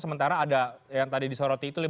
sementara ada yang tadi disoroti itu